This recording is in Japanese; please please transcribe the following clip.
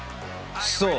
そう。